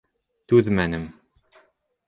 Түҙмәнем.